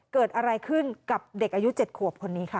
เกิดอะไรขึ้นกับเด็กอายุ๗ขวบคนนี้ค่ะ